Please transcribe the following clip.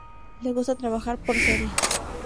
Le gusta trabajar por series.